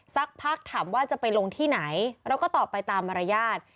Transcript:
สักพักถามว่าจะไปลงที่ไหนเราก็ตอบไปตามมารยาท